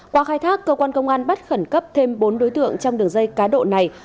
qua khai thác cơ quan công an bắt khẩn cấp thêm bốn đối tượng trong đường dây cá độ này